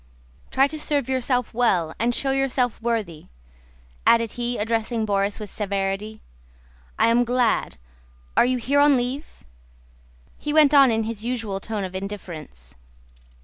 "Try to serve well and show yourself worthy," added he, addressing Borís with severity. "I am glad.... Are you here on leave?" he went on in his usual tone of indifference.